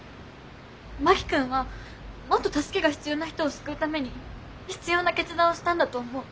真木君はもっと助けが必要な人を救うために必要な決断をしたんだと思う。